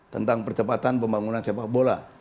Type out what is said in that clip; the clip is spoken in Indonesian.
tentang percepatan pembangunan sepak bola